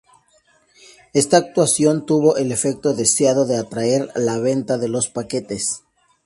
Esta actuación tuvo el efecto deseado de atraer la venta de los paquetes.